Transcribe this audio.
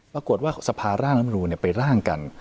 ปรากฏว่าสภาร่างรัฐมนูลไปร่างกัน